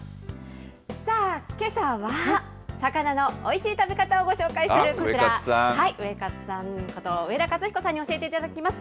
さあ、けさは、魚のおいしい食べ方をご紹介する、こちら、ウエカツさんこと、上田勝彦さんに教えていただきます。